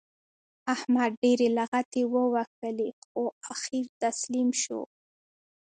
احمد ډېرې لغتې ووهلې؛ خو اخېر تسلیم شو.